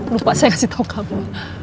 lupa saya kasih tau kamu